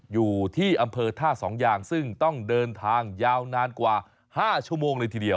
อยู่ที่อำเภอท่าสองอย่างซึ่งต้องเดินทางยาวนานกว่า๕ชั่วโมงเลยทีเดียว